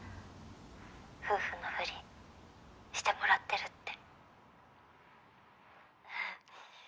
夫婦のふりしてもらってるって。ははっ。